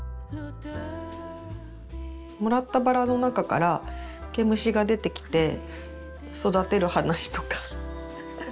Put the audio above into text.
もらったバラの中から毛虫が出てきて育てる話とか。